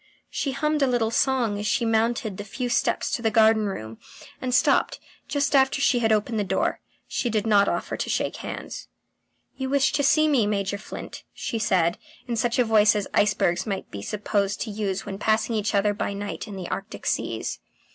She hummed a little song as she mounted the few steps to the garden room, and stopped just after she had opened the door. She did not offer to shake hands. "You wish to see me, Major Flint?" she said, in such a voice as icebergs might be supposed to use when passing each other by night in the Arctic seas.